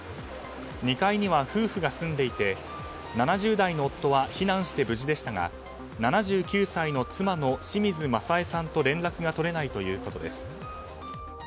２階には夫婦が住んでいて７０代の夫は避難して無事でしたが７９歳の妻の清水政枝さんと連絡が取れないということです。